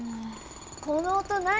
この音何？